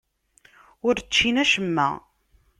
Ur ččin acemma.